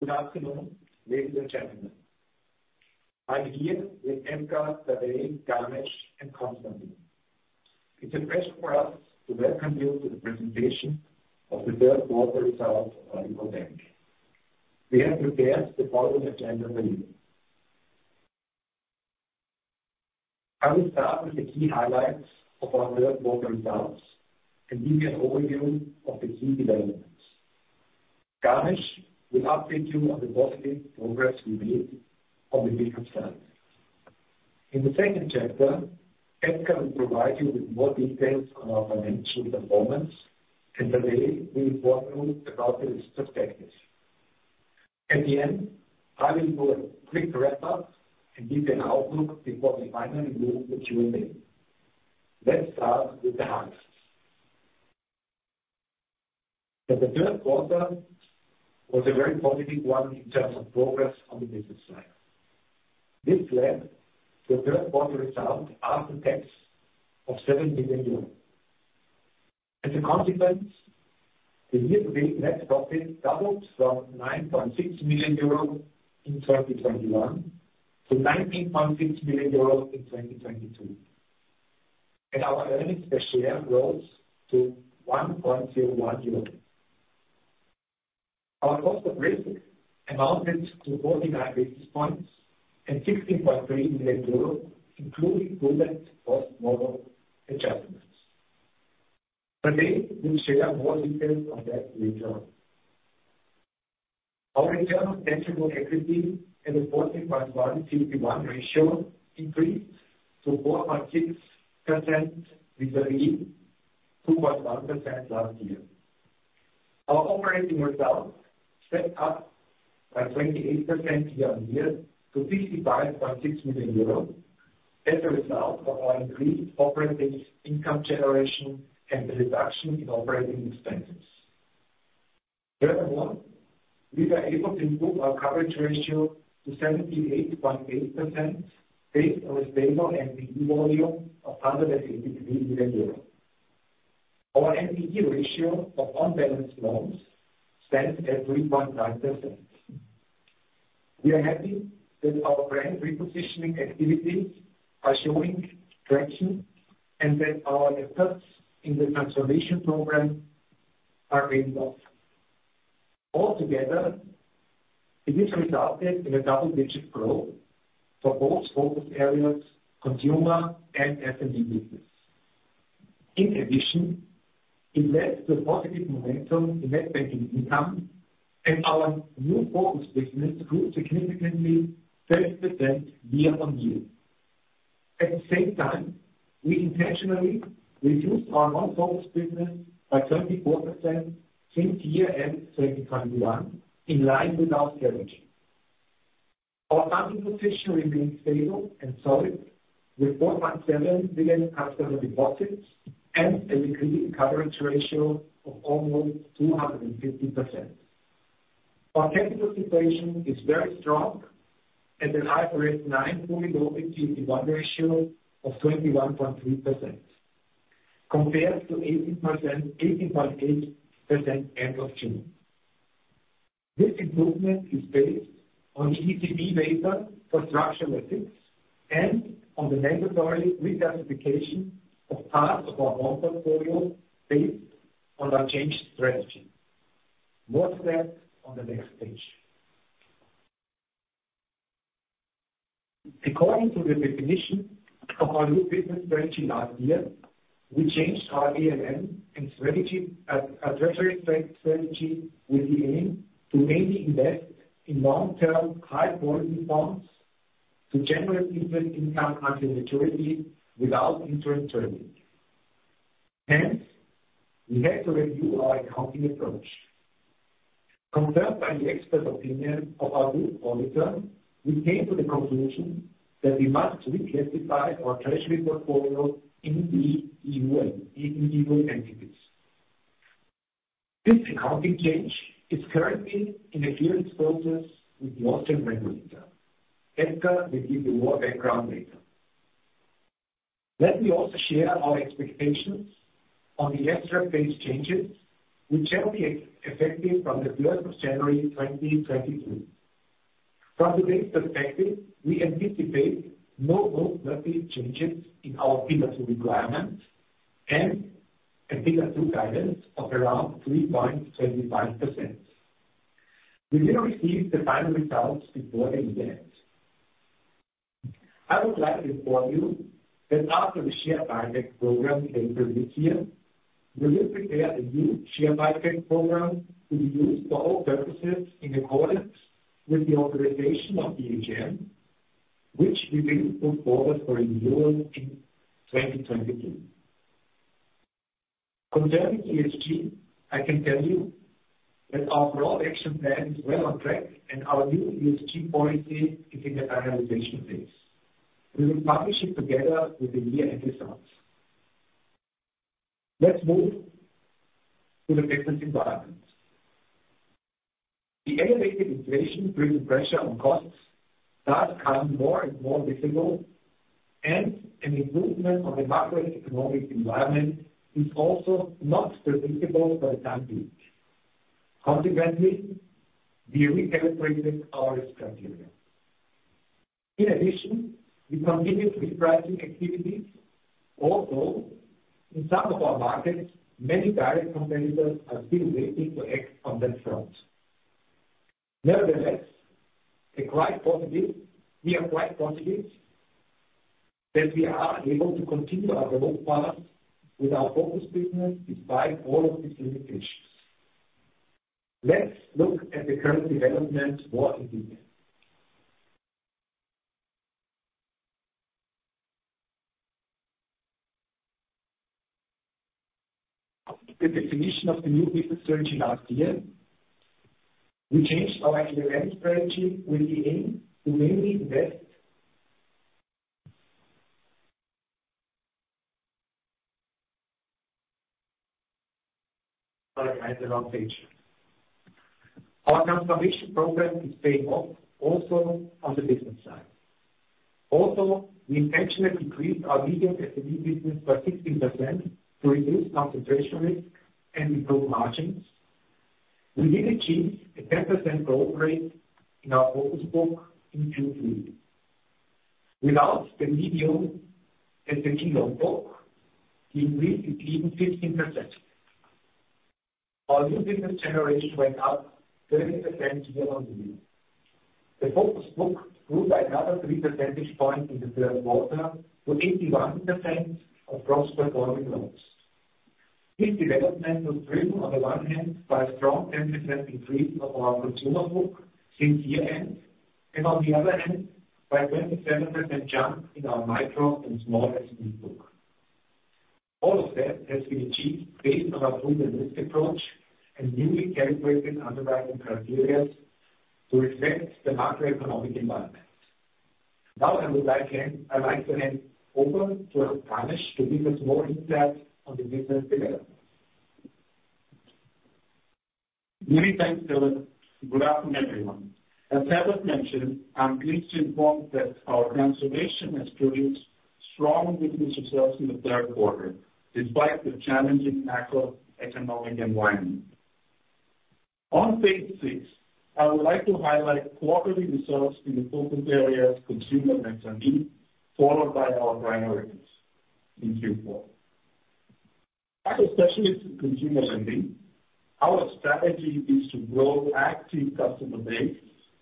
Good afternoon, ladies and gentlemen. I'm here with Edgar, Tadej, Ganesh, and Constantin. It's a pleasure for us to welcome you to the Presentation of the third Quarter Results of Addiko Bank. We have prepared the following agenda for you. I will start with the key highlights of our third quarter results and give you an overview of the key developments. Ganesh will update you on the positive progress we made on the business side. In the second chapter, Edgar will provide you with more details on our financial performance and the way we work through the market's perspectives. At the end, I will do a quick wrap-up and give you an outlook before we finally move to Q&A. Let's start with the highlights. The third quarter was a very positive one in terms of progress on the business side. This led to a third quarter result after tax of 7 million euros. As a consequence, the year-to-date net profit doubled from 9.6 million euros in 2021 to 19.6 million euros in 2022, and our earnings per share rose to 1.01 euro. Our cost of risk amounted to 49 basis points and 16.3 million euros, including post-model adjustments. They will share more details on that later on. Our internal tangible equity and the 14.1 CET1 ratio increased to 4.6% with a low 2.1% last year. Our operating results stepped up by 28% year-over-year to 65.6 million euros as a result of our increased operating income generation and the reduction in operating expenses. Furthermore, we were able to improve our coverage ratio to 78.8% based on a stable NPE volume of under 63 million. Our NPE ratio of on-balance loans stands at 3.9%. We are happy that our brand repositioning activities are showing traction and that our efforts in the transformation program are paying off. Altogether, it has resulted in a double-digit growth for both focus areas, consumer and SME business. In addition, it led to a positive momentum in net banking income and our new focus business grew significantly, 30% year-on-year. At the same time, we intentionally reduced our non-focus business by 34% since year-end 2021 in line with our strategy. Our funding position remains stable and solid with 4.7 billion customer deposits and a liquidity coverage ratio of almost 250%. Our technical situation is very strong at an IFRS nine fully loaded CET1 ratio of 21.3% compared to 18%-18.8% end of June. This improvement is based on ECB data for structural effects and on the mandatory reclassification of parts of our loan portfolio based on our changed strategy. More on that on the next page. According to the definition of our new business strategy last year, we changed our ALM strategy, our treasury strategy with the aim to mainly invest in long-term, high-quality bonds to generate different income until maturity without interest earning. Hence, we had to review our accounting approach. Confirmed by the expert opinion of our group auditor, we came to the conclusion that we must reclassify our treasury portfolio in the EU and in legal entities. This accounting change is currently in the approval process with the Austrian regulator. Edgar will give you more background later. Let me also share our expectations on the extra page changes which will be effective from the third of January 2022. From today's perspective, we anticipate no material changes in our CET1 requirement and a P2R guidance of around 3.25%. We will receive the final results before the end. I would like to inform you that after the share buyback program later this year, we will prepare a new share buyback program to be used for all purposes in accordance with the authorization of the AGM, which we will put forward for renewal in 2022. Concerning ESG, I can tell you that our broad action plan is well on track and our new ESG policy is in the finalization phase. We will publish it together with the year-end results. Let's move to the business environment. The elevated inflation putting pressure on costs does become more and more visible. An improvement of the macroeconomic environment is also not predictable for the time being. Consequently, we recalibrated our criteria. In addition, we continued repricing activities, although in some of our markets, many direct competitors are still waiting to act on that front. Nevertheless, they're quite positive, we are quite positive that we are able to continue our growth path with our focused business despite all of these limitations. Let's look at the current development more in detail. The definition of the new business strategy last year, we changed our M&A strategy with the aim to mainly invest in place. Our transformation program is paying off also on the business side. Also, we intentionally decreased our medium SME business by 16% to reduce concentration risk and improve margins. We did achieve a 10% growth rate in our focused book in Q3. Without the medium book, we increased it even 15%. Our new business generation went up 30% year-on-year. The focused book grew by another three percentage points in the third quarter to 81% of gross performing loans. This development was driven on the one hand by a strong 10% increase of our consumer book since year-end, and on the other hand, by a 27% jump in our micro and small SME book. All of that has been achieved based on our proven risk approach and newly calibrated underwriting criteria to reflect the macroeconomic environment. Now, on the back end, I'd like to hand over to Ganesh to give us more insight on the business development. Many thanks, Herbert. Good afternoon, everyone. As Herbert mentioned, I'm pleased to inform that our transformation has produced strong business results in the third quarter despite the challenging macroeconomic environment. On page six, I would like to highlight quarterly results in the focused areas consumer lending, followed by our priorities in Q4. As a specialist in consumer lending, our strategy is to grow active customer base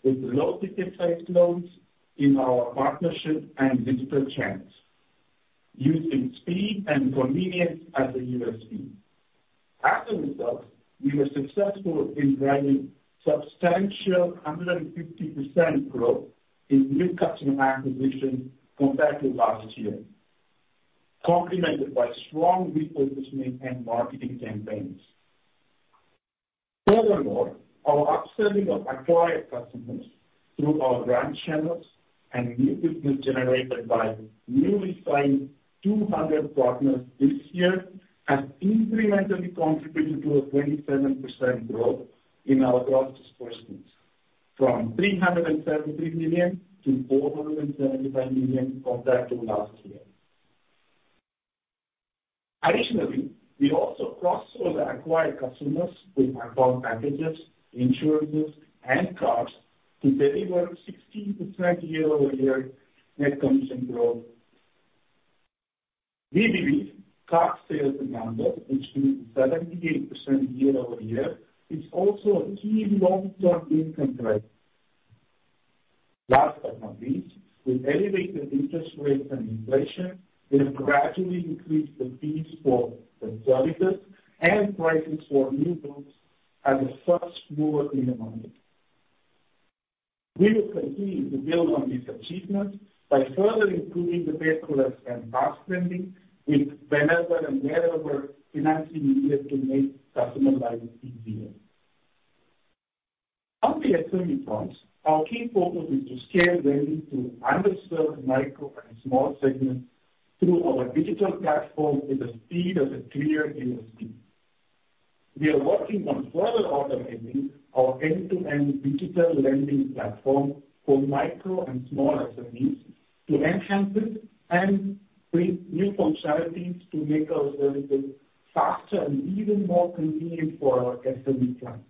with low-ticket size loans in our partnership and digital channels using speed and convenience as a USP. As a result, we were successful in driving substantial 150% growth in new customer acquisition compared to last year, complemented by strong repositioning and marketing campaigns. Furthermore, our upselling of acquired customers through our brand channels and new business generated by newly signed 200 partners this year has incrementally contributed to a 27% growth in our gross disbursements, from 373 million to 475 million compared to last year. Additionally, we also cross-sold acquired customers with account packages, insurances, and cards to deliver 16% year-over-year net commission growth. We believe card sales number, which grew 78% year-over-year, is also a key long-term income driver. Last but not least, with elevated interest rates and inflation, we have gradually increased the fees for the services and prices for new books as a first mover in the market. We will continue to build on these achievements by further improving the frictionless and fast lending with whenever and wherever financing needed to make customer lives easier. On the SME front, our key focus is to scale lending to underserved micro and small segments through our digital platform with the speed as a clear USP. We are working on further automating our end-to-end digital lending platform for micro and small SMEs to enhance it and bring new functionalities to make our services faster and even more convenient for our SME clients.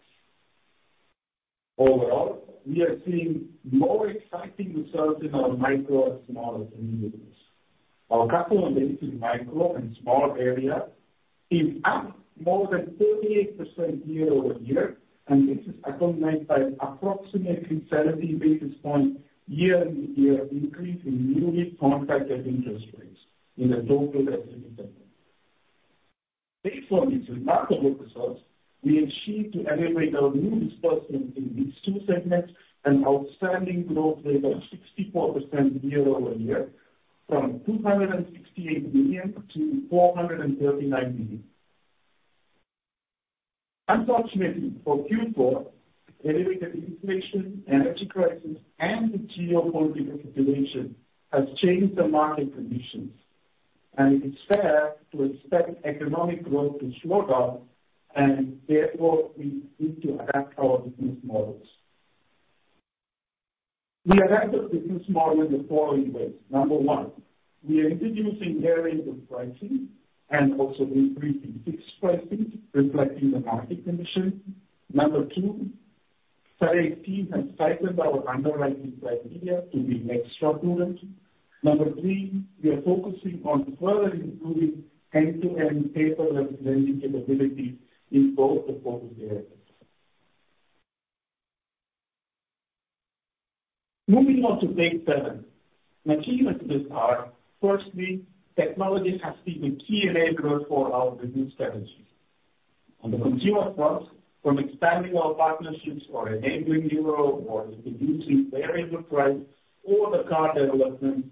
Overall, we are seeing more exciting results in our micro and small SME loans. Our customer loans in micro and small area is up more than 38% year-over-year, and this is accompanied by approximately 70 basis points year-over-year increase in newly contracted interest rates in the total SME segment. Based on these remarkable results, we achieved to elevate our new disbursements in these two segments, an outstanding growth rate of 64% year-over-year from 268 million to 439 million. Unfortunately, for Q4, elevated inflation, energy crisis, and the geopolitical situation has changed the market conditions, and it is fair to expect economic growth to slow down, and therefore, we need to adapt our business models. We adapt our business model in the following ways. Number one, we are introducing variable pricing and also increasing fixed pricing reflecting the market condition. Number two, our team has tightened our underwriting criteria to be extra prudent. Number three, we are focusing on further improving end-to-end paperless lending capabilities in both the focus areas. Moving on to page seven. Achievements this far. Firstly, technology has been the key enabler for our business strategy. On the consumer front, from expanding our partnerships or enabling Euro or introducing variable price or the card development,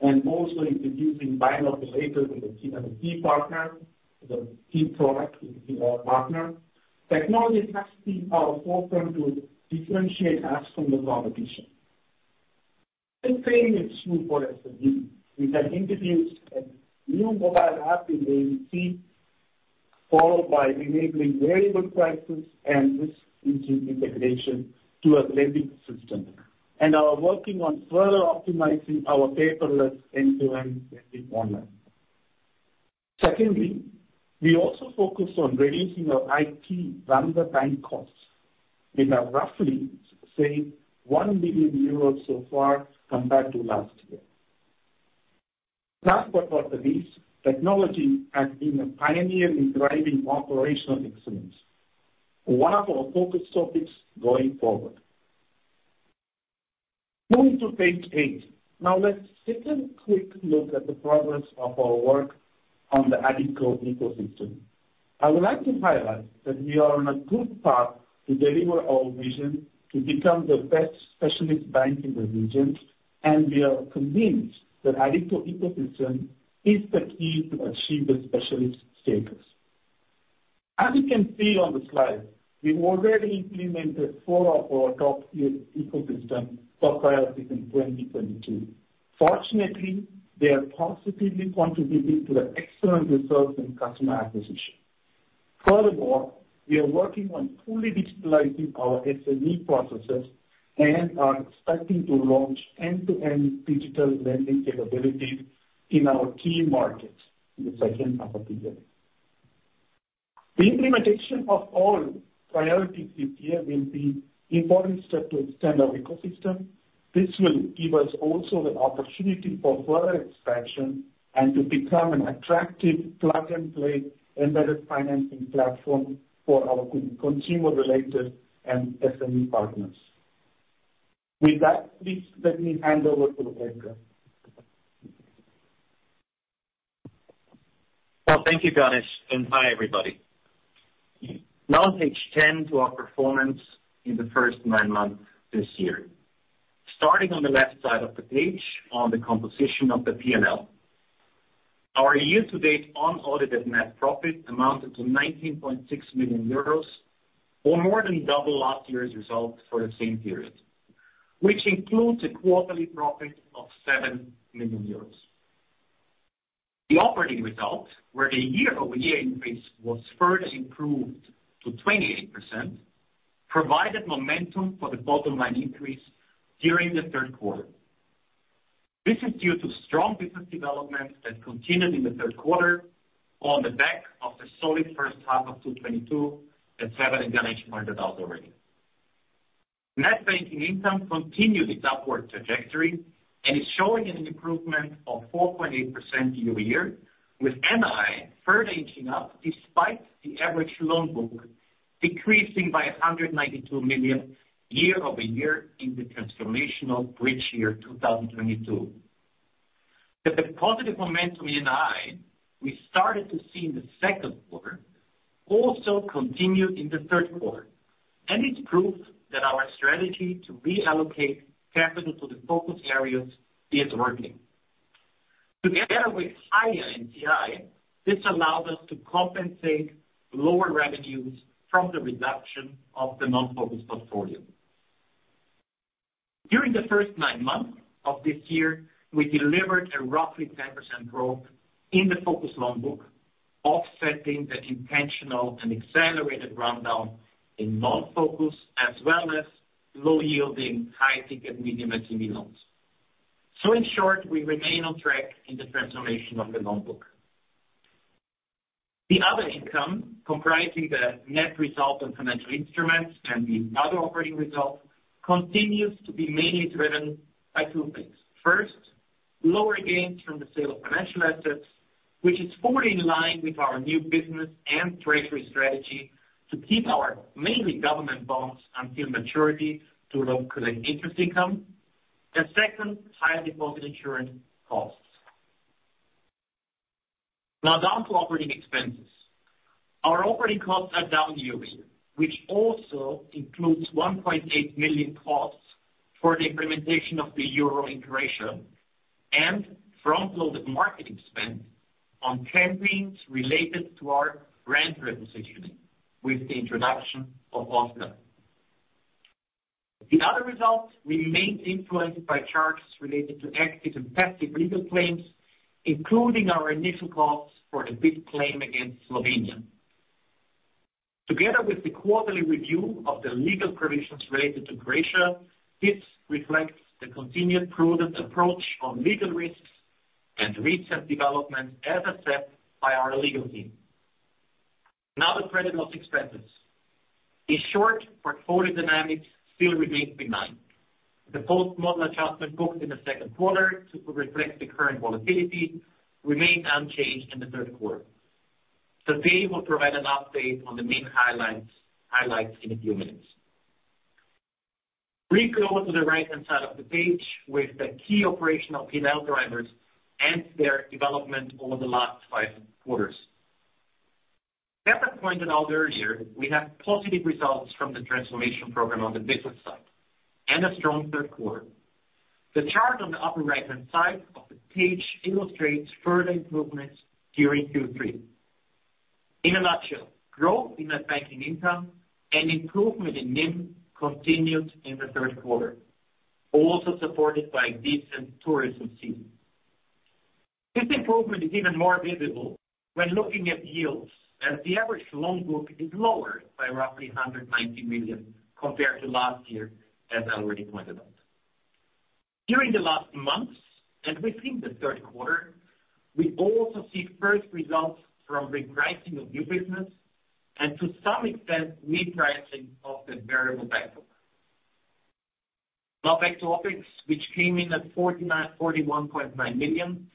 and also introducing buy now, pay later with a key partner, the key product with our partner. Technology has been at the forefront to differentiate us from the competition. The same is true for SME. We have introduced a new mobile app in Croatia, followed by enabling variable prices and seamless integration into a lending system. We are working on further optimizing our paperless end-to-end lending model. Secondly, we also focus on reducing our IT vendor and bank costs. We have roughly saved 1 billion euros so far compared to last year. Last but not least, technology has been a pioneer in driving operational excellence, one of our focus topics going forward. Moving to page eight. Now let's take a quick look at the progress of our work on the Addiko ecosystem. I would like to highlight that we are on a good path to deliver our vision to become the best specialist bank in the region, and we are convinced that Addiko ecosystem is the key to achieve the specialist status. As you can see on the slide, we've already implemented four of our top tier ecosystem priorities in 2022. Fortunately, they are positively contributing to the excellent results in customer acquisition. Furthermore, we are working on fully digitalizing our SME processes and are expecting to launch end-to-end digital lending capabilities in our key markets in the second half of the year. The implementation of all priorities this year will be important step to extend our ecosystem. This will give us also the opportunity for further expansion and to become an attractive plug-and-play embedded financing platform for our consumer related and SME partners. With that, please let me hand over to Edgar. Well, thank you, Ganesh, and hi, everybody. Now page 10 to our performance in the first nine months this year. Starting on the left side of the page on the composition of the P&L. Our year-to-date unaudited net profit amounted to 19.6 million euros, or more than double last year's result for the same period, which includes a quarterly profit of 7 million euros. The operating results, where the year-over-year increase was further improved to 28%, provided momentum for the bottom line increase during the third quarter. This is due to strong business development that continued in the third quarter on the back of the solid first half of 2022 that Herbert and Ganesh pointed out already. Net banking income continued its upward trajectory and is showing an improvement of 4.8% year-over-year, with NII further inching up despite the average loan book decreasing by 192 million year-over-year in the transformational bridge year 2022. The positive momentum in NII we started to see in the second quarter also continued in the third quarter, and it proves that our strategy to reallocate capital to the focus areas is working. Together with higher NTI, this allowed us to compensate lower revenues from the reduction of the non-focus portfolio. During the first nine months of this year, we delivered a roughly 10% growth in the focus loan book, offsetting the intentional and accelerated rundown in non-focus as well as low-yielding high ticket medium LTV loans. In short, we remain on track in the transformation of the loan book. The other income, comprising the net result on financial instruments and the other operating results, continues to be mainly driven by two things. First, lower gains from the sale of financial assets, which is fully in line with our new business and treasury strategy to keep our mainly government bonds until maturity to localize net interest income. Second, higher deposit insurance costs. Now down to operating expenses. Our operating costs are down year-over-year, which also includes 1.8 million costs for the implementation of the euro in Croatia and front-loaded marketing spend on campaigns related to our brand repositioning with the introduction of Oskar. The other results remained influenced by charges related to active and passive legal claims, including our initial costs for a big claim against Slovenia. Together with the quarterly review of the legal provisions related to Croatia, this reflects the continued prudent approach on legal risks and recent developments as assessed by our legal team. Now the credit loss expenses. In short, portfolio dynamics still remains benign. The post-model adjustment booked in the second quarter to reflect the current volatility remained unchanged in the third quarter. They will provide an update on the main highlights in a few minutes. We go to the right-hand side of the page with the key operational P&L drivers and their development over the last five quarters. As was pointed out earlier, we have positive results from the transformation program on the business side and a strong third quarter. The chart on the upper right-hand side of the page illustrates further improvements during Q3. In a nutshell, growth in net banking income and improvement in NIM continued in the third quarter, also supported by decent tourism season. This improvement is even more visible when looking at yields as the average loan book is lower by roughly 190 million compared to last year, as I already pointed out. During the last months and within the third quarter, we also see first results from repricing of new business and to some extent, repricing of the variable loan book. Now back to OpEx, which came in at 41.9 million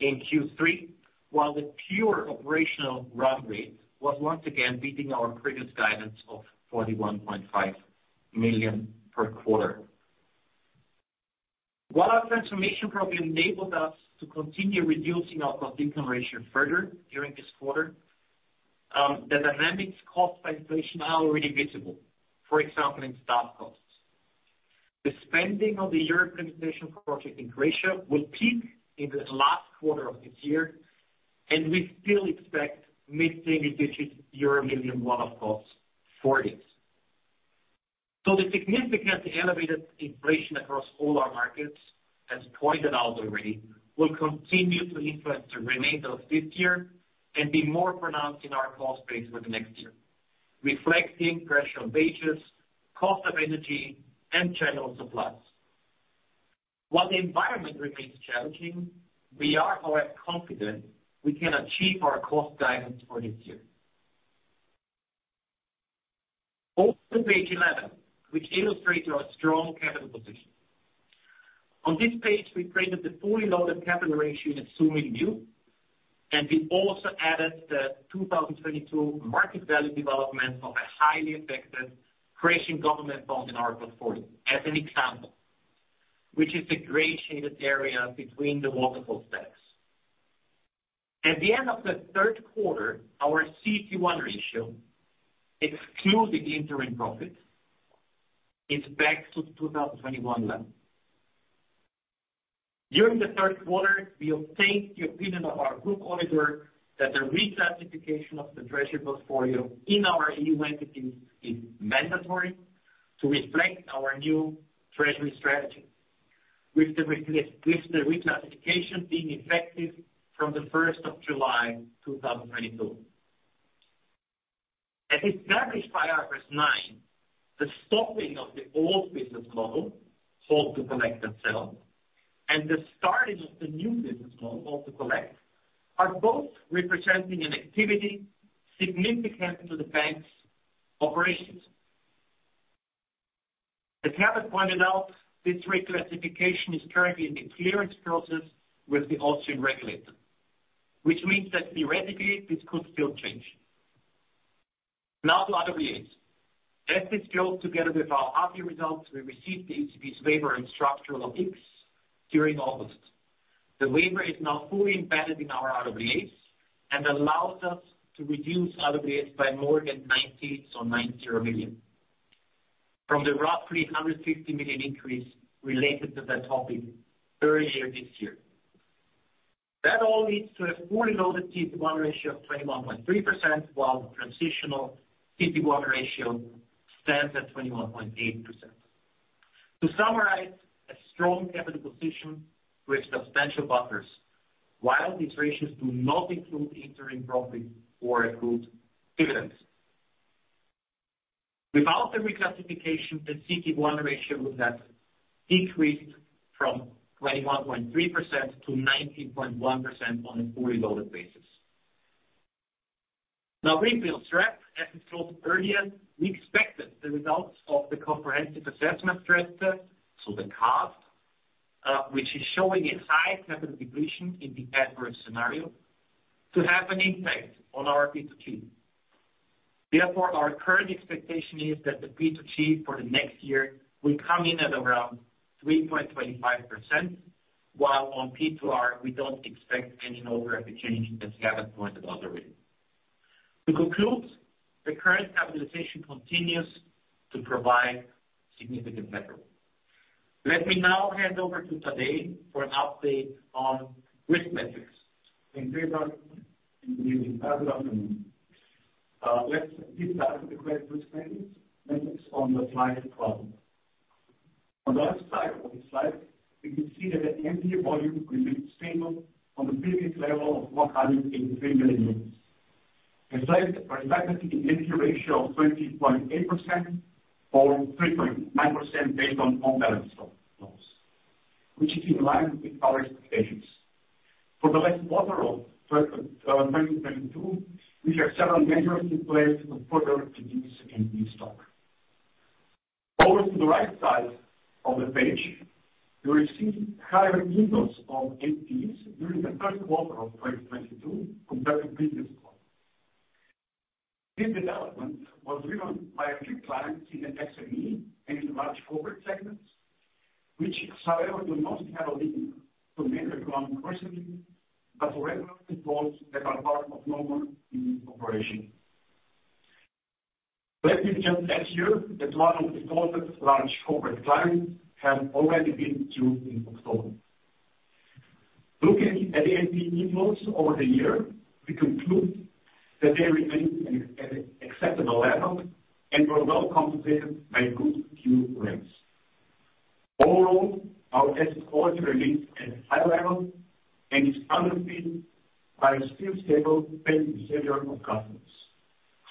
in Q3, while the pure operational run rate was once again beating our previous guidance of 41.5 million per quarter. While our transformation program enabled us to continue reducing our cost-income ratio further during this quarter, the dynamics caused by inflation are already visible, for example, in staff costs. The spending of the euroization project in Croatia will peak in the last quarter of this year, and we still expect mid-single-digit EUR million one-off costs for it. The significantly elevated inflation across all our markets, as pointed out already, will continue to influence the remainder of this year and be more pronounced in our cost base for the next year, reflecting pressure on wages, cost of energy, and general supplies. While the environment remains challenging, we are, however, confident we can achieve our cost guidance for this year. Open page 11, which illustrates our strong capital position. On this page, we printed the fully loaded capital ratio in summary view, and we also added the 2022 market value development of a highly affected Croatian government bond in our portfolio as an example, which is the gray shaded area between the waterfall steps. At the end of the third quarter, our CET1 ratio, excluding interim profits, is back to 2021 levels. During the third quarter, we obtained the opinion of our group auditor that the reclassification of the treasury portfolio in our EU entities is mandatory to reflect our new treasury strategy with the reclassification being effective from the first of July 2022. As established by IFRS nine, the stopping of the old business model, hold to collect and sell, and the starting of the new business model, hold to collect, are both representing an activity significant to the bank's operations. As Ganesh pointed out, this reclassification is currently in the clearance process with the Austrian regulator, which means that theoretically, this could still change. Now to RWA. As disclosed together with our half-year results, we received the ECB's waiver and structural FX during August. The waiver is now fully embedded in our RWAs and allows us to reduce RWAs by more than 90 or 90 million from the roughly 150 million increase related to that topic earlier this year. That all leads to a fully loaded CET1 ratio of 21.3%, while the transitional CET1 ratio stands at 21.8%. To summarize, a strong capital position with substantial buffers, while these ratios do not include interim profit or accrued dividends. Without the reclassification, the CET1 ratio would have decreased from 21.3% to 19.1% on a fully loaded basis. Now, Retail CEB, as disclosed earlier, we expected the results of the comprehensive assessment stress test, so the CAST, which is showing a high capital depletion in the adverse scenario to have an impact on our P2G. Therefore, our current expectation is that the P2G for the next year will come in at around 3.25%, while on P2R, we don't expect any noteworthy change as Kevin pointed out already. To conclude, the current capitalization continues to provide significant headroom. Let me now hand over to Tadej for an update on risk metrics. Thank you very much. Let's start with the credit risk metrics on the slide 12. On the left side of the slide, we can see that the NPL volume remains stable on the previous level of 483 million. In fact, reflecting the NPL ratio of 20.8% or 3.9% based on-balance-sheet, which is in line with our expectations. For the last quarter of 2022, we have several measures in place to further reduce NPL stock. Over to the right side of the page, you will see higher inflows of NPLs during the first quarter of 2022 compared to previous quarter. This development was driven by a few clients in the SME and large corporate segments, which however do not have a link to major clients recently, but rather defaults that are part of normal business operation. Let me just add here that one of the largest large corporate clients have already been through in October. Looking at the NPL inflows over the year, we conclude that they remain at an acceptable level and were well compensated by good curings. Overall, our asset quality remains at high level and is underpinned by still stable paying behavior of customers.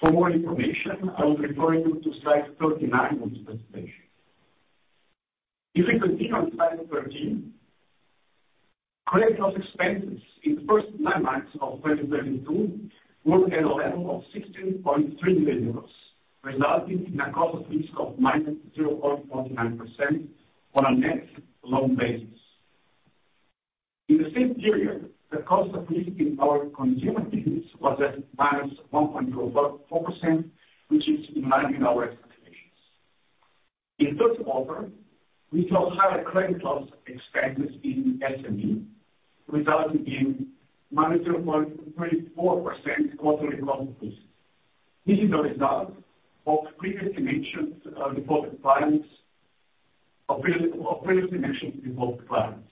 For more information, I will refer you to slide 39 of the presentation. If we continue on slide 13, credit loss expenses in the first nine months of 2022 were at a level of 16.3 million euros, resulting in a cost of risk of -0.49% on a net loan basis. In the same period, the cost of risk in our consumer business was at -1.04%, which is in line with our expectations. In first quarter, we saw higher credit loss expenses in SME, resulting in -0.24% quarterly cost of risk. This is a result of previous decisions default clients.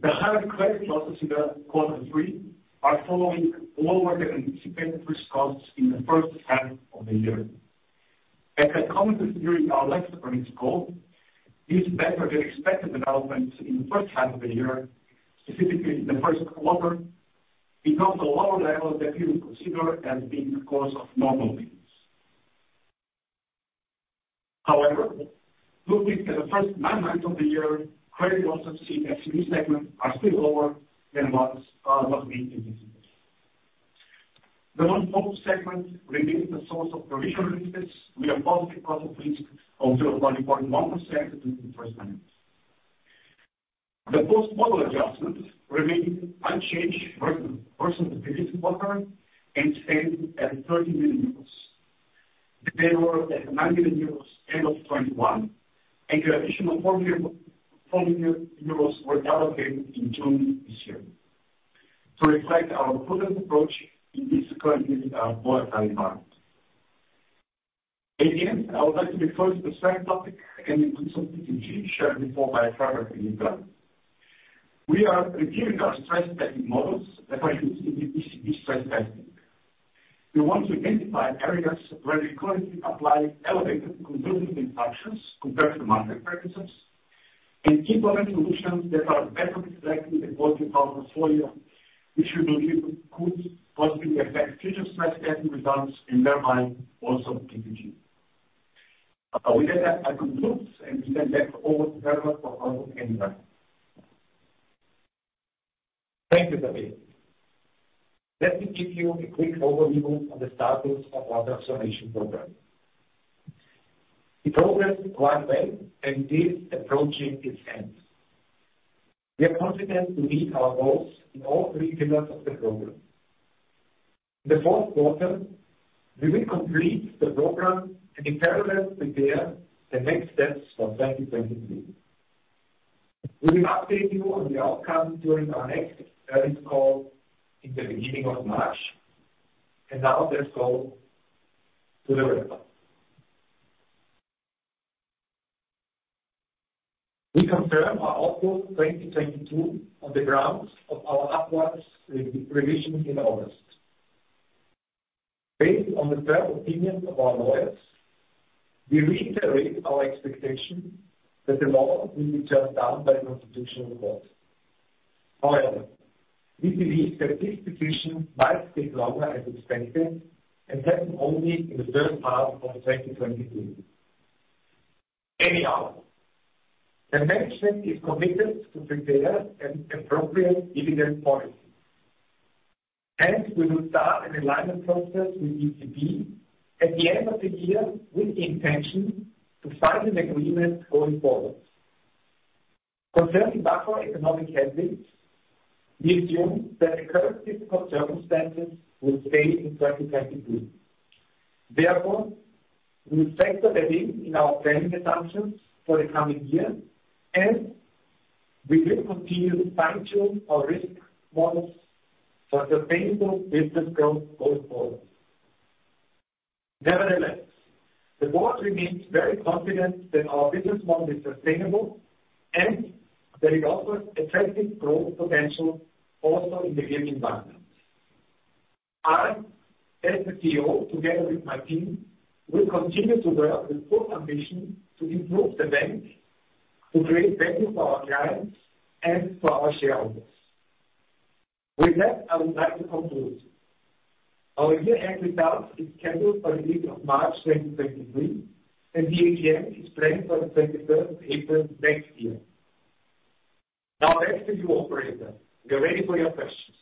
The higher credit losses in quarter three are following lower than anticipated risk costs in the first half of the year. As I commented during our last earnings call, these better than expected developments in the first half of the year, specifically in the first quarter, back to a lower level that we would consider as being the course of normal business. However, looking at the first nine months of the year, credit losses in SME segment are still lower than what we anticipated. The loan focus segment remains the source of provision releases with a positive cost of risk of 0.1% in the first nine months. The post-model adjustment remained unchanged versus the previous quarter and stands at 30 million euros. They were at 9 million euros end of 2021, and an additional 4 million euros were allocated in June this year to reflect our prudent approach in this current, volatile environment. Again, I would like to refer to the same topic and the consultant fee shared before by Ganesh Krishnamoorthi in his round. We are reviewing our stress testing models that are used in the ECB stress testing. We want to identify areas where we currently apply elevated conservative assumptions compared to market practices and implement solutions that are better reflecting the quality of our portfolio, which we believe could possibly affect future stress testing results, and thereby also PTT. With that, I conclude, and we can hand over to Herbert Juranek for final remarks. Thank you, Tadej. Let me give you a quick overview of the status of our transformation program. The program is well under way and is approaching its end. We are confident to meet our goals in all three pillars of the program. In the fourth quarter, we will complete the program and in parallel prepare the next steps for 2023. We will update you on the outcome during our next earnings call in the beginning of March. Now let's go to the remarks. We confirm our outlook 2022 on the grounds of our upwards revision in August. Based on the third opinion of our lawyers, we reiterate our expectation that the law will be turned down by Constitutional Court. However, we believe that this decision might take longer as expected, and happen only in the third part of 2023. Anyhow, the management is committed to prepare an appropriate dividend policy, and we will start an alignment process with ECB at the end of the year with the intention to sign an agreement going forward. Concerning macroeconomic headings, we assume that the current difficult circumstances will stay in 2023. Therefore, we factor that in our planning assumptions for the coming year. We will continue to fine-tune our risk models for sustainable business growth going forward. Nevertheless, the board remains very confident that our business model is sustainable and that it offers attractive growth potential also in the given environment. I, as the CEO, together with my team, will continue to work with full ambition to improve the bank, to create value for our clients and for our shareholders. With that, I would like to conclude. Our year-end results is scheduled for the 8th of March 2023, and the AGM is planned for the 23rd of April 2024. Now back to you, operator. We are ready for your questions.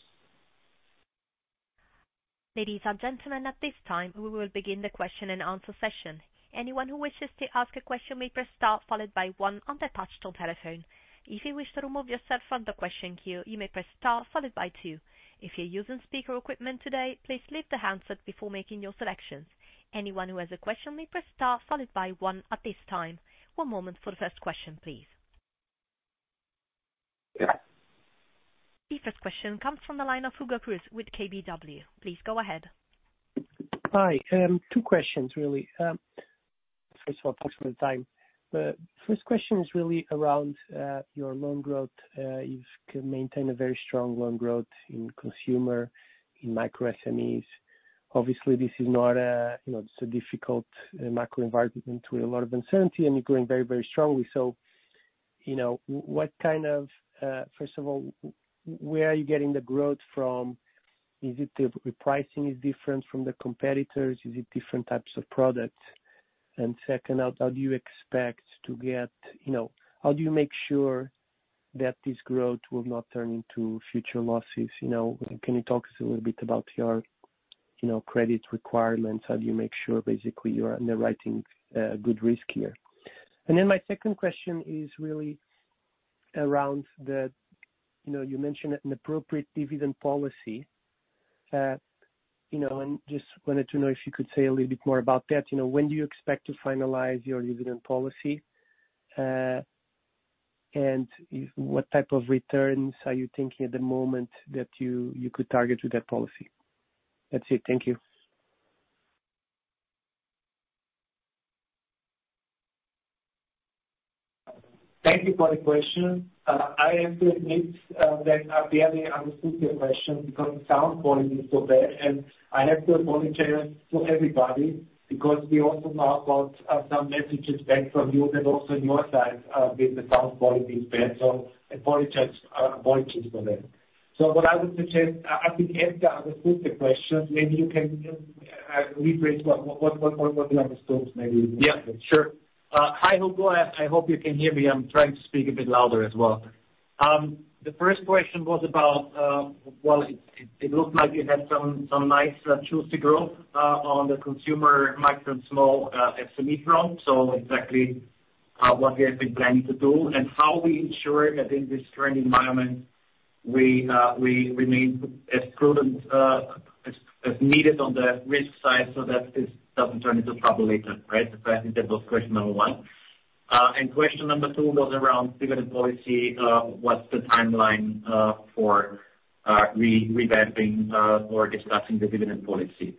Ladies and gentlemen, at this time, we will begin the question and answer session. Anyone who wishes to ask a question may press star followed by one on their touch-tone telephone. If you wish to remove yourself from the question queue, you may press star followed by two. If you're using speaker equipment today, please leave the handset before making your selections. Anyone who has a question may press star followed by one at this time. One moment for the first question, please. The first question comes from the line of Hugo Cruz with KBW. Please go ahead. Hi. Two questions really. First of all, thanks for the time. The first question is really around your loan growth. You've maintained a very strong loan growth in consumer, in micro SMEs. Obviously, you know, it's a difficult macro environment with a lot of uncertainty, and you're growing very, very strongly. So, you know, first of all, where are you getting the growth from? Is it the repricing is different from the competitors? Is it different types of products? And second, how do you expect to get, you know, how do you make sure that this growth will not turn into future losses? You know, can you talk to us a little bit about your, you know, credit requirements? How do you make sure basically you are underwriting good risk here? My second question is really around the you know, you mentioned an appropriate dividend policy. You know, and just wanted to know if you could say a little bit more about that. You know, when do you expect to finalize your dividend policy? What type of returns are you thinking at the moment that you could target with that policy? That's it. Thank you. Thank you for the question. I have to admit that I barely understood your question because the sound quality is so bad, and I have to apologize to everybody because we also now got some messages back from you that also on your side the sound quality is bad. Apologies for that. What I would suggest, I think Edgar understood the question. Maybe you can rephrase what you understood maybe. Yeah, sure. Hi, Hugo. I hope you can hear me. I'm trying to speak a bit louder as well. The first question was about, well, it looked like you had some nice juicy growth on the consumer micro and small SME front. Exactly what we have been planning to do and how we ensure that in this current environment we remain as prudent as needed on the risk side so that this doesn't turn into trouble later, right? I think that was question number one. Question number two was around dividend policy, what's the timeline for revamping or discussing the dividend policy.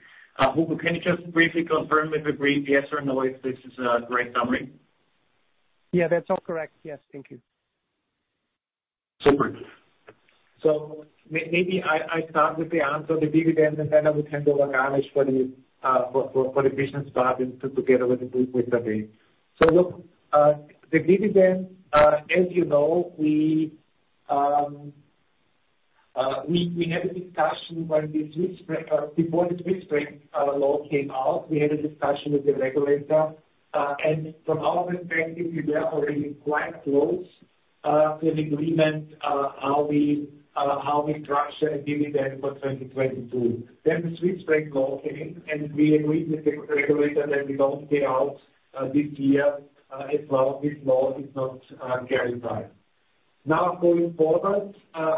Hugo, can you just briefly confirm if we agreed, yes or no, if this is a great summary? Yeah, that's all correct. Yes. Thank you. Super. I start with the answer on the dividend, and then I will hand over to Ganesh Krishnamoorthi for the business part and put together with the group with Tadej Krašovec. Look, the dividend, as you know, we had a discussion before the Swiss franc loan came out with the regulator. From our perspective, we were already quite close to an agreement how we structure a dividend for 2022. The Swiss franc loan came, and we agreed with the regulator that we don't pay out this year as long as this loan is not clarified. Now, going forward,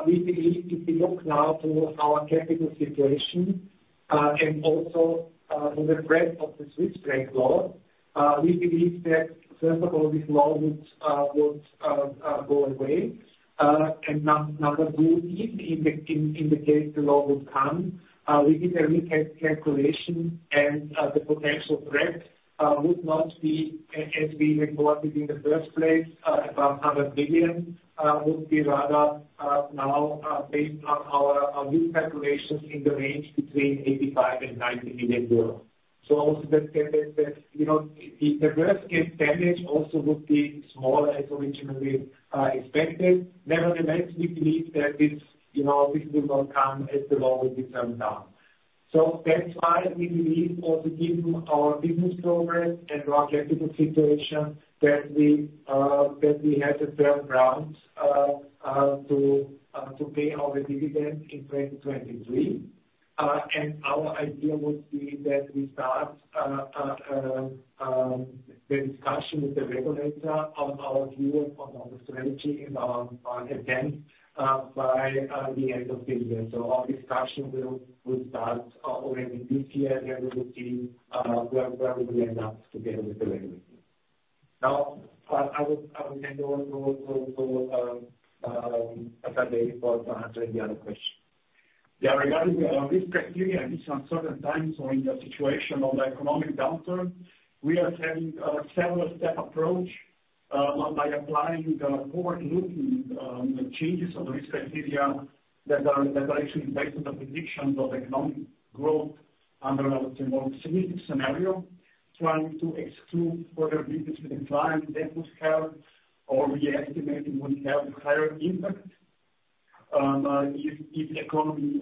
we believe if we look now to our capital situation and also to the threat of the Swiss franc loan, we believe that first of all this loan would go away. Number two, if in the case the loan would come, we did a recalculation, and the potential threat would not be as we reported in the first place, about 100 billion, would be rather now based on our new calculations in the range between 85 million and 90 million euros. So also, you know, if the worst-case damage also would be smaller as originally expected. Nevertheless, we believe that this, you know, this will not come as the loan will be turned down. That's why we believe also given our business progress and our capital situation that we have a fair ground to pay out a dividend in 2023. Our idea would be that we start the discussion with the regulator on our view on our strategy and our intent by the end of the year. Our discussion will start already this year, and we will see where we will end up together with the regulator. Now I would hand over to Tadej Krašovec to answer the other question. Yeah, regarding our risk criteria in some certain times or in the situation of the economic downturn, we are taking a several step approach. By applying the forward looking changes of the risk criteria that are actually based on the predictions of economic growth under a more significant scenario, trying to exclude further business with the client that would have or we estimated would have higher impact. If the economy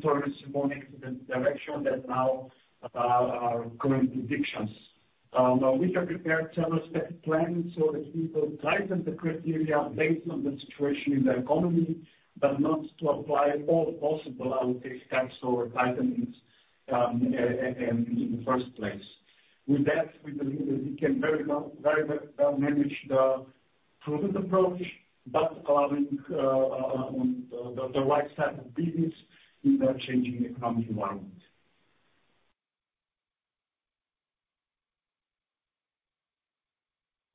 turns more into the direction that now our current predictions. We have prepared several step plans so that we will tighten the criteria based on the situation in the economy, but not to apply all possible steps or tightening's in the first place. With that, we believe that we can very well manage the prudent approach, but allowing the right side of business in a changing economic environment.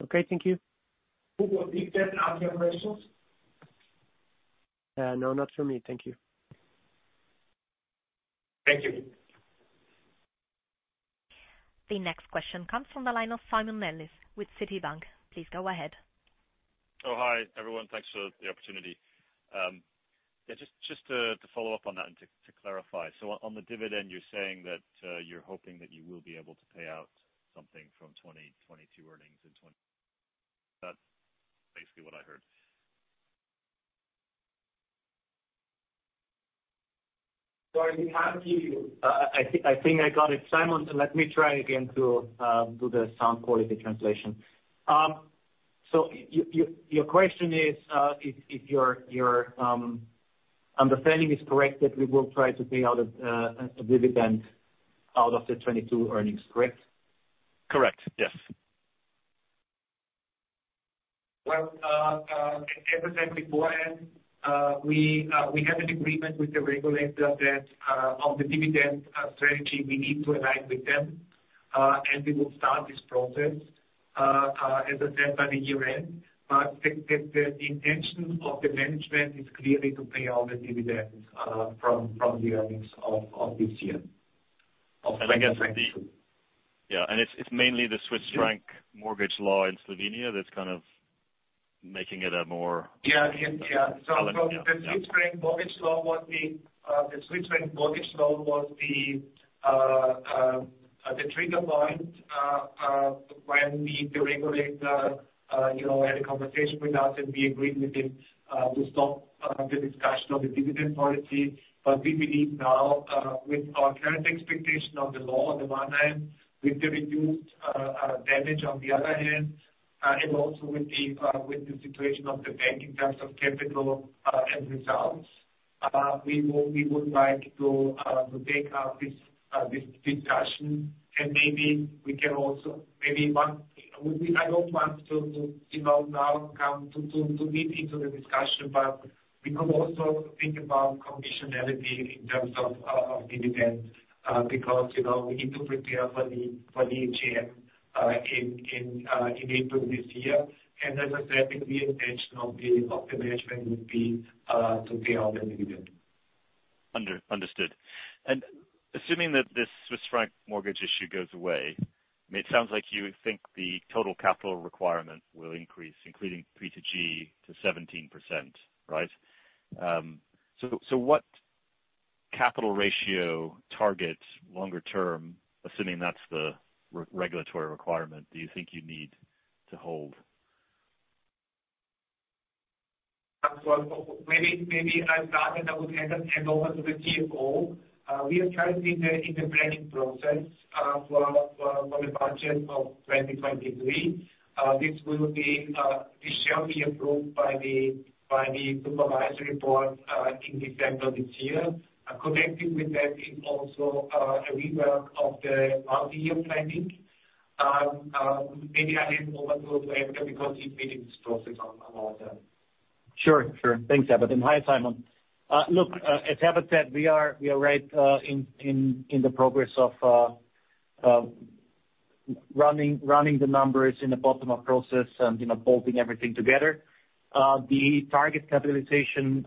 Okay, thank you. Inaudible. No, not for me. Thank you. Thank you. The next question comes from the line of Simon Ellis with Citibank. Please go ahead. Oh, hi, everyone. Thanks for the opportunity. Yeah, just to follow up on that and to clarify. On the dividend, you're saying that you're hoping that you will be able to pay out something from 2022 earnings. That's basically what I heard. So we have the- I think I got it, Simon. Let me try again to do the sound quality translation. Your question is, if your understanding is correct, that we will try to pay out a dividend out of the 2022 earnings, correct? Correct. Yes. Well, as I said beforehand, we have an agreement with the regulator that on the dividend strategy, we need to align with them, and we will start this process, as I said, by the year-end. The intention of the management is clearly to pay all the dividends from the earnings of this year. Of 2022. Yeah. It's mainly the Swiss franc mortgage loan in Slovenia that's kind of making it a more- Yeah. The Swiss franc mortgage loans was the trigger point when the regulator, you know, had a conversation with us, and we agreed with him to stop the discussion of the dividend policy. We believe now with our current expectation of the loan on the one hand, with the reduced damage on the other hand, and also with the situation of the bank in terms of capital and results, we would like to take up this discussion, and maybe we can also. I don't want to, you know, now come to lead into the discussion, but we could also think about conditionality in terms of dividends, because, you know, we need to prepare for the AGM in April this year. As I said, the intention of the management would be to pay out the dividend. Understood. Assuming that this Swiss franc mortgage issue goes away, I mean, it sounds like you think the total capital requirement will increase, including P2G to 17%, right? So what capital ratio targets longer term, assuming that's the regulatory requirement, do you think you need to hold? Maybe I start, and I will hand over to the CFO. We are currently in the planning process for the budget of 2023. This shall be approved by the supervisory board in December this year. Connected with that is also a rework of the multi-year planning. Maybe I hand over to Edgar, because he's leading this process on our end. Thanks, Herbert. Hi, Simon. As Herbert said, we are right in the process of running the numbers in the bottom-up process and, you know, bolting everything together. The target capitalization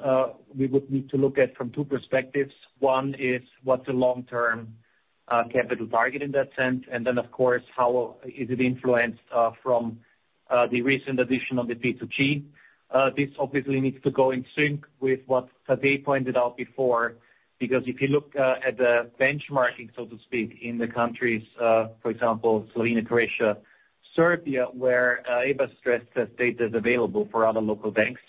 we would need to look at from two perspectives. One is what's the long-term capital target in that sense, and then of course, how is it influenced from the recent addition of the P2G. This obviously needs to go in sync with what Tadej pointed out before, because if you look at the benchmarking, so to speak, in the countries, for example, Slovenia, Croatia, Serbia, where Herbert stressed that data is available for other local banks,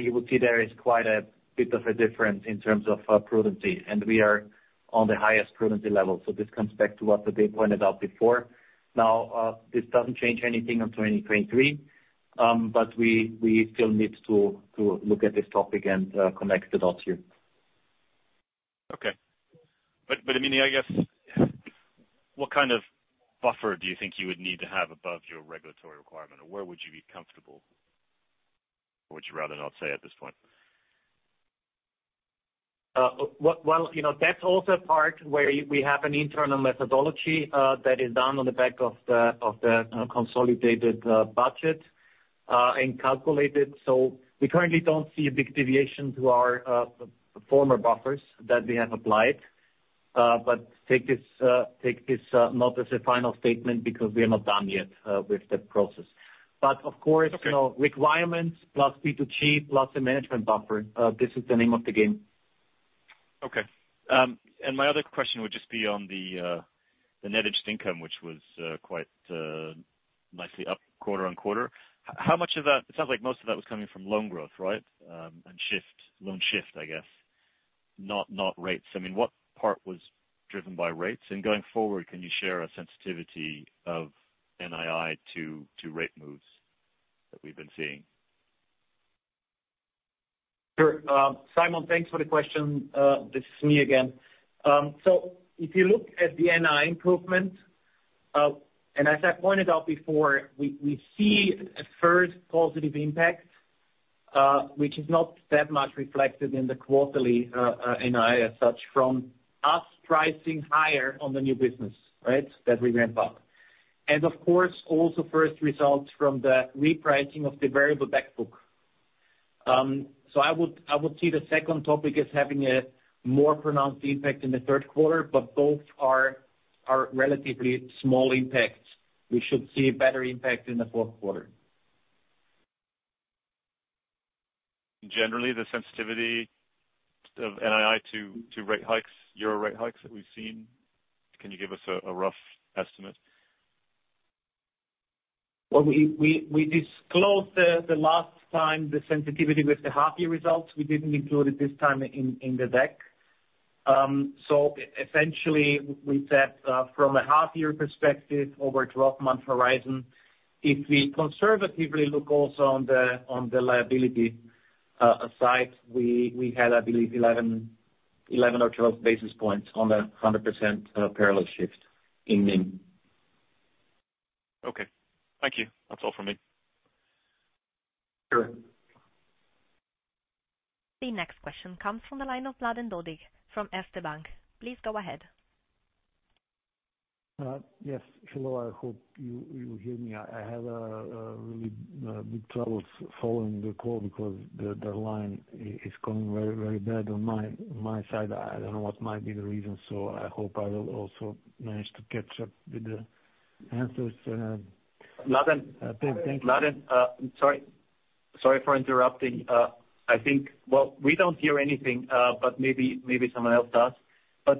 you will see there is quite a bit of a difference in terms of prudence. We are on the highest prudence level. This comes back to what Tadej Krašovec pointed out before. Now, this doesn't change anything on 2023, but we still need to look at this topic and connect the dots here. Okay. I mean, I guess what kind of buffer do you think you would need to have above your regulatory requirement? Where would you be comfortable? Would you rather not say at this point? Well, you know, that's also a part where we have an internal methodology that is done on the back of the consolidated budget and calculated. We currently don't see a big deviation to our former buffers that we have applied. Take this not as a final statement because we are not done yet with the process. Of course. Okay. You know, requirements plus P2G plus the management buffer, this is the name of the game. Okay. My other question would just be on the net interest income, which was quite nicely up quarter-over-quarter. How much of that? It sounds like most of that was coming from loan growth, right? Loan shift, I guess, not rates. I mean, what part was driven by rates? Going forward, can you share a sensitivity of NII to rate moves that we've been seeing? Sure. Simon, thanks for the question. This is me again. So if you look at the NII improvement, and as I pointed out before, we see a first positive impact, which is not that much reflected in the quarterly NII as such from us pricing higher on the new business, right? That we ramp up. Of course, also first results from the repricing of the variable back book. So I would see the second topic as having a more pronounced impact in the third quarter, but both are relatively small impacts. We should see better impact in the fourth quarter. Generally, the sensitivity of NII to rate hikes, euro rate hikes that we've seen, can you give us a rough estimate? Well, we disclosed the last time the sensitivity with the half-year results. We didn't include it this time in the deck. Essentially we said from a half-year perspective over a 12-month horizon, if we conservatively look also on the liability side, we had, I believe 11 or 12 basis points on a 100% parallel shift in NIM. Okay. Thank you. That's all from me. Sure. The next question comes from the line of Mladen Dodig from Erste Bank. Please go ahead. Yes. Hello, I hope you hear me. I have a really big troubles following the call because the line is going very bad on my side. I don't know what might be the reason, so I hope I will also manage to catch up with the answers. Mladen. Thank you. Mladen, sorry for interrupting. Well, we don't hear anything, but maybe someone else does.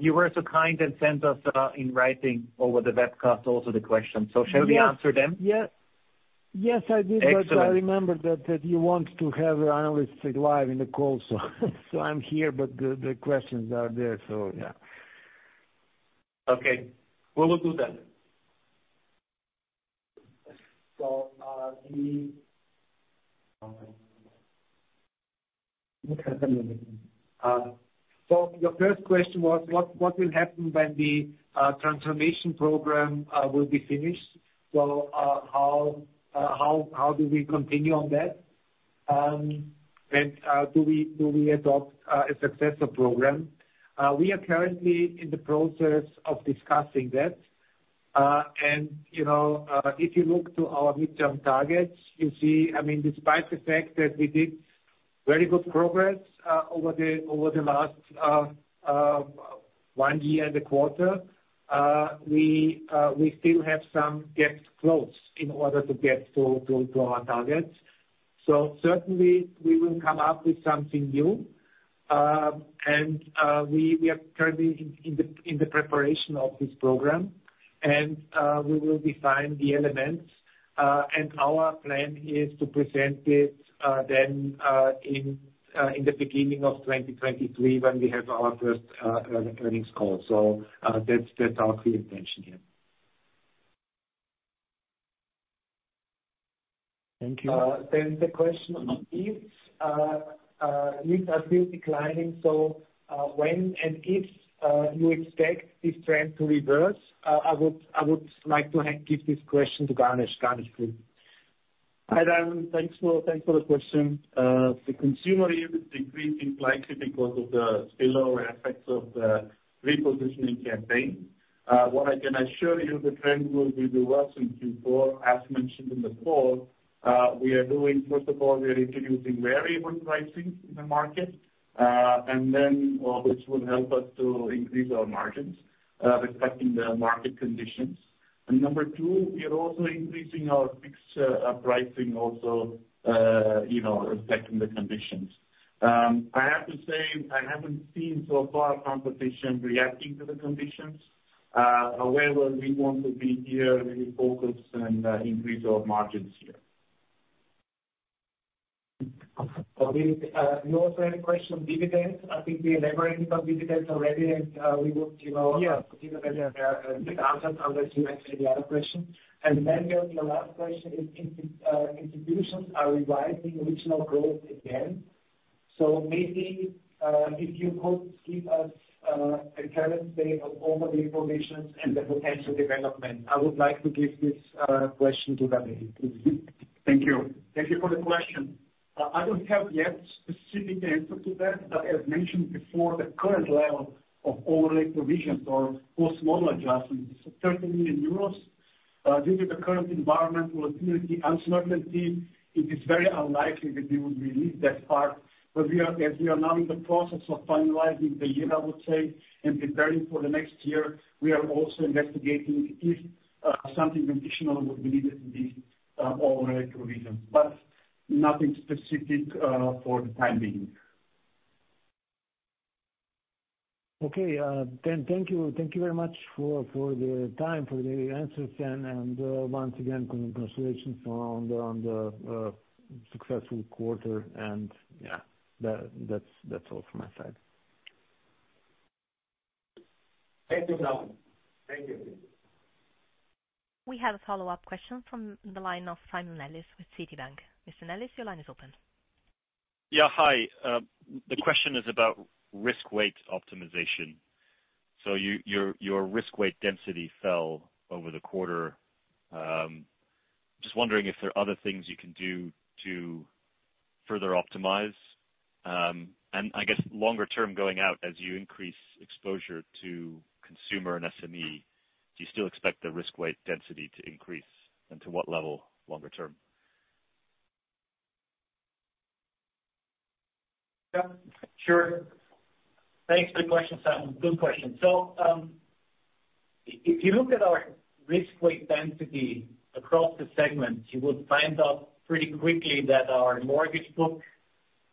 You were so kind and sent us in writing over the webcast also the question. Shall we answer them? Yes. Yes, I did. Excellent. I remember that you want to have analysts live in the call. I'm here, but the questions are there, so yeah. Okay. We will do that. Your first question was what will happen when the transformation program will be finished? How do we continue on that? Do we adopt a successor program? We are currently in the process of discussing that. You know, if you look to our midterm targets, you see, I mean, despite the fact that we did very good progress over the last one year and a quarter, we still have some gaps to close in order to get to our targets. Certainly we will come up with something new. We are currently in the preparation of this program and we will define the elements. Our plan is to present it in the beginning of 2023 when we have our first earnings call. That's our clear intention here. Thank you. The question is, yields are still declining, so, when and if you expect this trend to reverse, I would like to give this question to Ganesh. Ganesh, please. Hi, Mladen. Thanks for the question. The consumer yield is decreasing likely because of the spillover effects of the repositioning campaign. What I can assure you the trend will be reversing Q4. As mentioned in the call, first of all, we are introducing variable pricing in the market, which will help us to increase our margins, reflecting the market conditions. Number two, we are also increasing our fixed pricing also, you know, reflecting the conditions. I have to say, I haven't seen so far competition reacting to the conditions. However, we want to be here very focused and increase our margins here. Okay. You also had a question on dividends. I think we elaborated on dividends already, and we would, you know. Yeah. Continue with the answers unless you have any other question. Then your last question is institutions are revising original growth again. Maybe if you could give us a current state of overlay provisions and the potential development. I would like to give this question to Ganesh, please. Thank you. Thank you for the question. I don't have yet specific answer to that. As mentioned before, the current level of overlay provisions or post-model adjustments is 30 million euros. Due to the current environmental activity uncertainty, it is very unlikely that we would release that part. We are, as we are now in the process of finalizing the year, I would say, and preparing for the next year, also investigating if something additional would be needed in these overall provisions, but nothing specific for the time being. Okay. Thank you very much for the time, for the answers, and once again, congratulations on the successful quarter, yeah, that's all from my side. Thank you. Thank you. We have a follow-up question from the line of Simon Ellis with Citibank. Mr. Ellis, your line is open. Yeah. Hi. The question is about risk weight optimization. Your risk weight density fell over the quarter. Just wondering if there are other things you can do to further optimize. I guess longer term going out, as you increase exposure to consumer and SME, do you still expect the risk weight density to increase and to what level longer term? Yeah. Sure. Thanks for the question, Simon. Good question. If you look at our risk weight density across the segments, you would find out pretty quickly that our mortgage book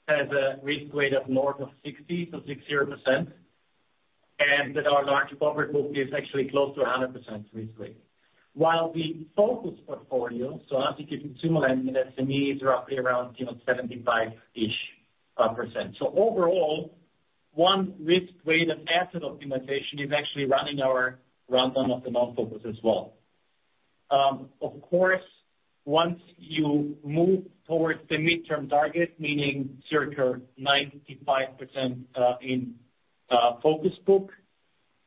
has a risk weight of more than 60%, and that our large corporate book is actually close to 100% risk weight. While the focus portfolio, so as you get consumer and SME is roughly around, you know, 75-ish%. Overall, one risk weight of asset optimization is actually running our rundown of the non-focus as well. Of course, once you move towards the midterm target, meaning circa 95%, in focus book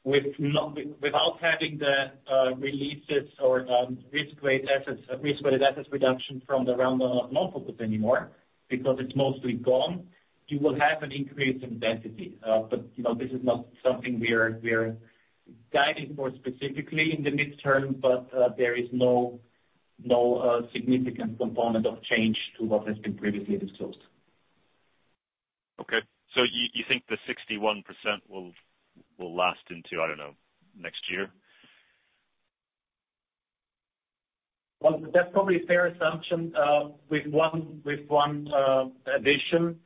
without having the releases or risk weight assets, risk-weighted assets reduction from the rundown of non-focus anymore because it's mostly gone, you will have an increase in density. You know, this is not something we are guiding for specifically in the midterm, but there is no significant component of change to what has been previously disclosed. Okay. You think the 61% will last into, I don't know, next year? Well, that's probably a fair assumption, with one addition,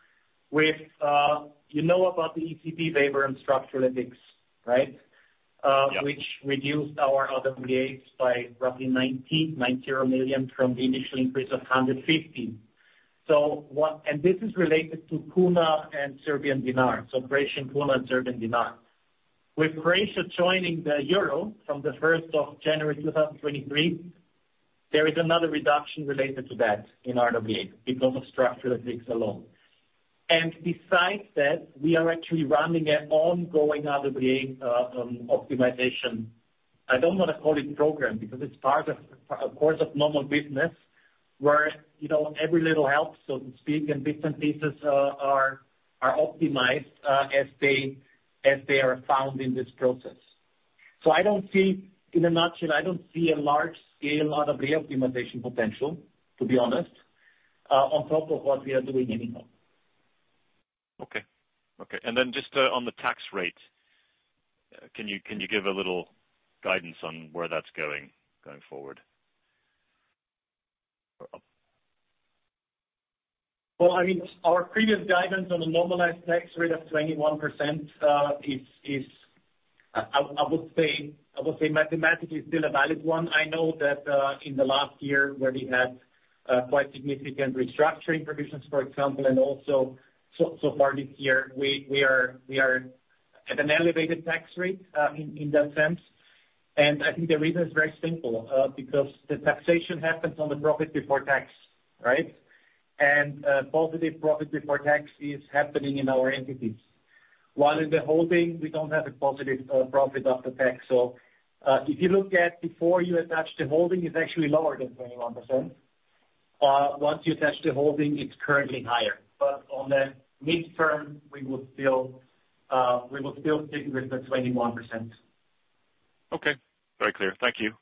you know, about the ECB waiver and structural FX, right? Yeah. Which reduced our RWA by roughly 90 million from the initial increase of 150. This is related to kuna and Serbian dinar, so Croatian kuna and Serbian dinar. With Croatia joining the Euro from January 1, 2023, there is another reduction related to that in RWA because of structural FX alone. Besides that, we are actually running an ongoing RWA optimization. I don't wanna call it program because it's part of course of normal business where, you know, every little helps, so to speak, and different pieces are optimized as they are found in this process. I don't see. In a nutshell, I don't see a large scale RWA optimization potential, to be honest, on top of what we are doing anymore. Okay. Just on the tax rate, can you give a little guidance on where that's going forward? Well, I mean, our previous guidance on a normalized tax rate of 21% is, I would say, mathematically still a valid one. I know that in the last year where we had quite significant restructuring provisions, for example, and also so far this year, we are at an elevated tax rate, in that sense. I think the reason is very simple, because the taxation happens on the profit before tax, right? Positive profit before tax is happening in our entities. While in the holding, we don't have a positive profit after tax. If you look at before you attach the holding, it's actually lower than 21%. Once you attach the holding, it's currently higher. On the midterm, we would still stick with the 21%. Okay. Very clear. Thank you.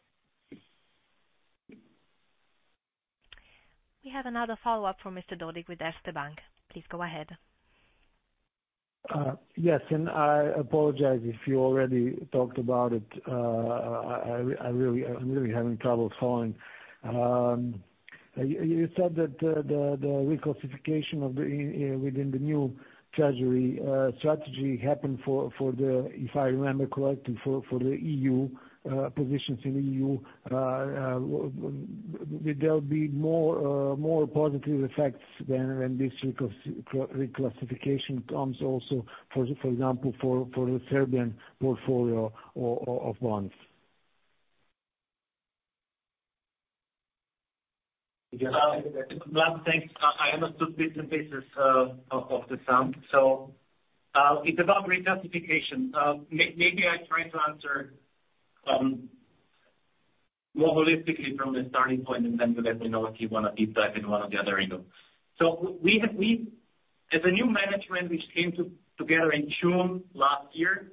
We have another follow-up from Mr. Dodig with Erste Bank. Please go ahead. Yes. I apologize if you already talked about it. I'm really having trouble following. You said that the reclassification within the new treasury strategy happened, if I remember correctly, for the EU positions in EU. Would there be more positive effects than when this reclassification comes also, for example, for the Serbian portfolio of bonds? Mladen Dodig, thanks. I understood bits and pieces of the sum. It's about reclassification. Maybe I try to answer more holistically from the starting point, and then you let me know if you want a deep dive in one or the other, you know. As a new management which came together in June last year,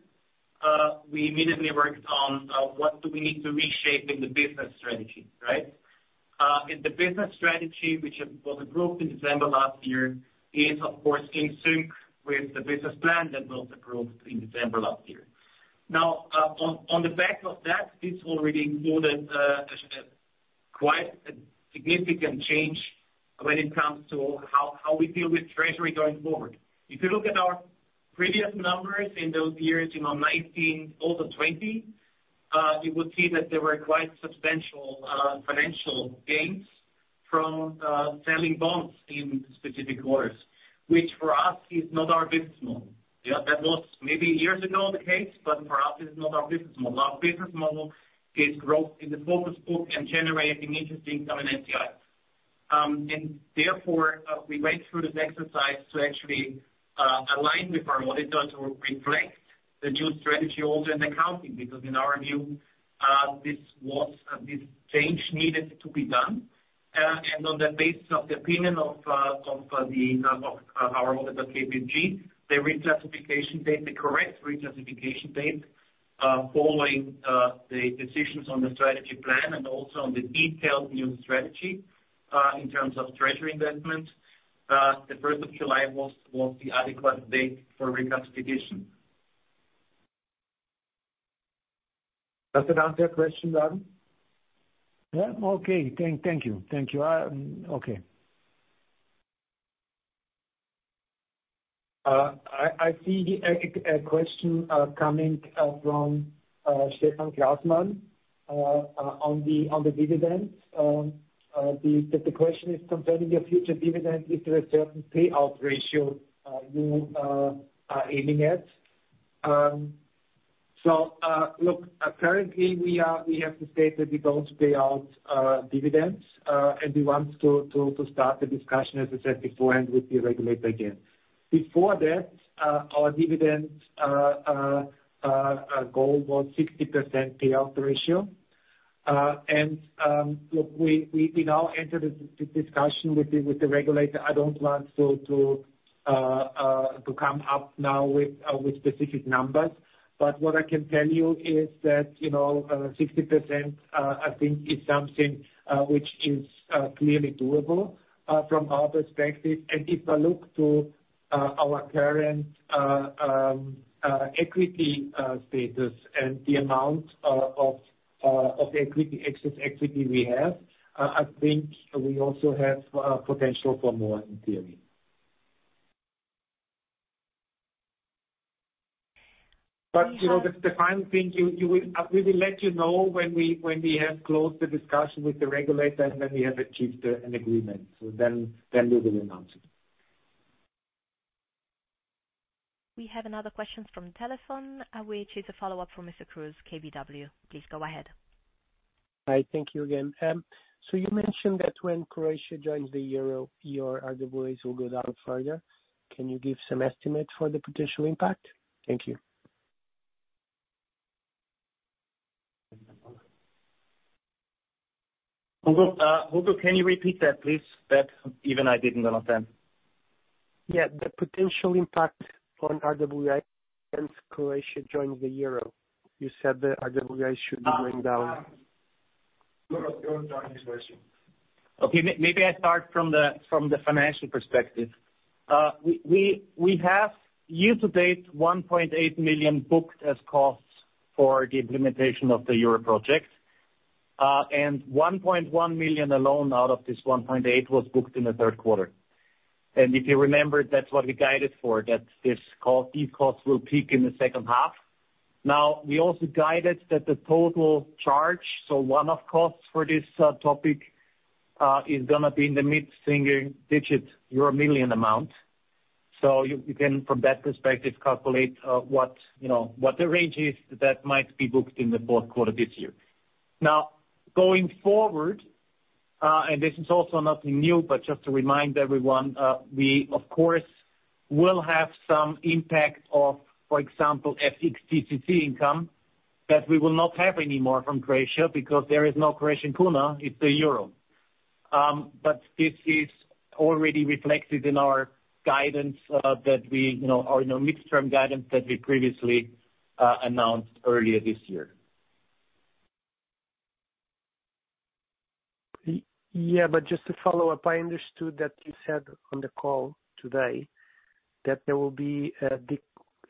we immediately worked on what do we need to reshape in the business strategy, right? The business strategy which was approved in December last year is of course in sync with the business plan that was approved in December last year. On the back of that, this already included quite a significant change when it comes to how we deal with treasury going forward. If you look at our previous numbers in those years, you know, 2019 over 2020, you will see that there were quite substantial financial gains from selling bonds in specific quarters, which for us is not our business model. Yeah, that was maybe years ago the case, but for us it's not our business model. Our business model is growth in the focus group and generating interesting common NTI. Therefore, we went through this exercise to actually align with our auditors or reflect the new strategy also in accounting, because in our view, this change needed to be done. On the basis of the opinion of our auditor KPMG, the reclassification date, the correct reclassification date, following the decisions on the strategy plan and also on the detailed new strategy, in terms of treasury investment, the first of July was the adequate date for reclassification. Does that answer your question, Mladen Dodig? Yeah. Okay. Thank you. Thank you. Okay. I see a question coming from Stefan Glassman on the dividends. That the question is concerning your future dividends, is there a certain payout ratio you are aiming at? Look, currently we have to state that we don't pay out dividends, and we want to start the discussion, as I said beforehand, with the regulator again. Before that, our dividends goal was 60% payout ratio. Look, we now enter the discussion with the regulator. I don't want to come up now with specific numbers. What I can tell you is that, you know, 60%, I think is something which is clearly doable from our perspective. If I look to our current equity status and the amount of equity excess equity we have, I think we also have potential for more in theory. You know, the final thing, we will let you know when we have closed the discussion with the regulator and when we have achieved an agreement. Then we will announce it. We have another question from the telephone, which is a follow-up from Mr. Hugo Cruz, KBW. Please go ahead. Hi. Thank you again. You mentioned that when Croatia joins the Euro, your RWAs will go down further. Can you give some estimate for the potential impact? Thank you. Hugo, can you repeat that, please? Even I didn't understand. Yeah. The potential impact on RWA when Croatia joins the Euro. You said the RWA should be going down. We're not going to join this very soon. Okay. Maybe I start from the financial perspective. We have year to date 1.8 million booked as costs for the implementation of the Euro project. And 1.1 million alone out of this 1.8 million was booked in the third quarter. If you remember, that's what we guided for, that these costs will peak in the second half. Now, we also guided that the total charge, so one-off costs for this topic, is gonna be in the mid-single digits million amount. You can from that perspective calculate, you know, what the range is that might be booked in the fourth quarter this year. Now, going forward, and this is also nothing new, but just to remind everyone, we of course will have some impact of, for example, FX DCC income that we will not have anymore from Croatia because there is no Croatian kuna, it's the euro. This is already reflected in our guidance, mid-term guidance that we previously announced earlier this year. Yeah, but just to follow up, I understood that you said on the call today that there will be a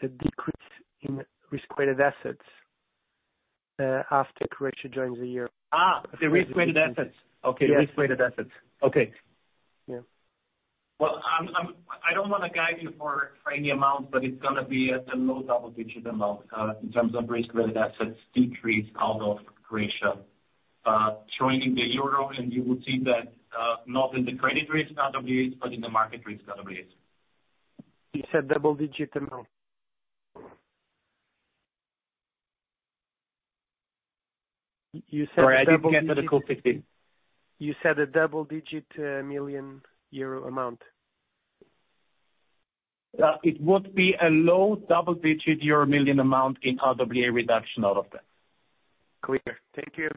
decrease in risk-weighted assets after Croatia joins the E.U. The risk-weighted assets. Okay. Yes. The risk-weighted assets. Okay. Yeah. I don't wanna guide you for any amount, but it's gonna be at a low double-digit amount in terms of risk-weighted assets decrease out of Croatia joining the Euro. You will see that not in the credit risk RWAs, but in the market risk RWAs. You said double-digit amount. Sorry, I didn't get that. Could you repeat? You said a double-digit million euro amount. It would be a low double-digit euro million amount in RWA reduction out of that. Clear. Thank you.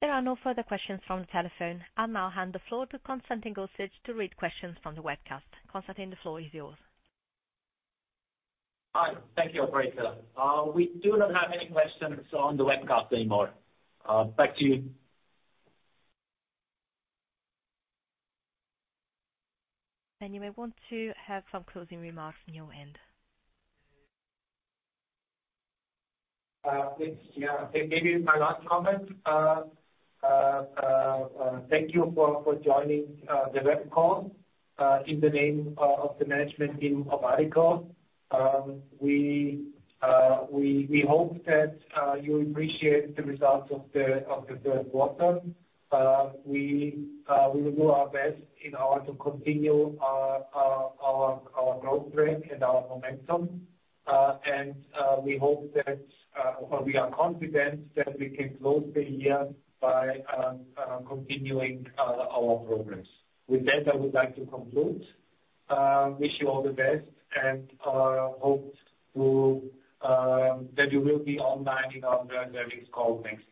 There are no further questions from the telephone. I'll now hand the floor to Constantin Gussich to read questions from the webcast. Constantin, the floor is yours. Hi. Thank you, operator. We do not have any questions on the webcast anymore. Back to you. You may want to have some closing remarks on your end. Yes. Maybe my last comment. Thank you for joining the web call. In the name of the management team of Addiko, we hope that you appreciate the results of the third quarter. We will do our best in order to continue our growth rate and our momentum. We are confident that we can close the year by continuing our progress. With that, I would like to conclude. Wish you all the best and hope that you will be online in our earnings call next time.